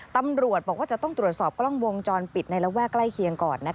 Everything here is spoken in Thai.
ตำรวจบอกว่าจะต้องตรวจสอบกล้องวงจรปิดในระแวกใกล้เคียงก่อน